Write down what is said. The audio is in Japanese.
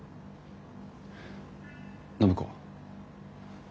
暢子。